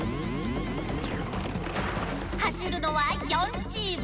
はしるのは４チーム。